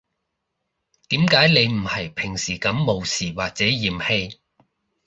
點解你唔係平時噉無視或者嫌棄